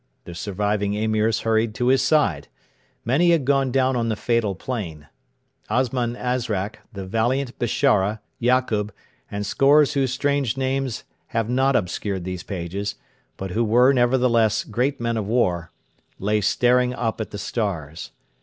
The surviving Emirs hurried to his side. Many had gone down on the fatal plain. Osman Azrak, the valiant Bishara, Yakub, and scores whose strange names have not obscured these pages, but who were, nevertheless, great men of war, lay staring up at the stars.